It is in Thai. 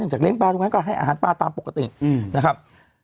หลังจากเล่นปลาทุกวันก็ให้อาหารปลาตามปกตินะครับ